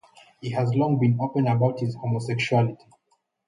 He has long been open about his homosexuality.